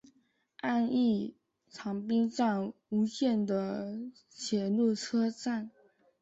安艺长滨站吴线的铁路车站。